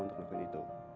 untuk melakukan itu